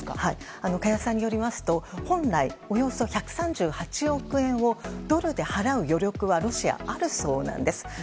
加谷さんによりますと本来、およそ１３８億円をドルで払う余力はロシアにはあるそうなんです。